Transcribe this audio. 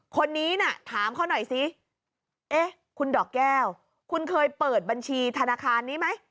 คนนี้น่ะถามเขาหน่อยสิเอ๊ะคุณดอกแก้วคุณเคยเปิดบัญชีธนาคารนี้ไหม